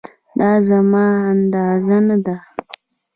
دا زما اندازه نه ده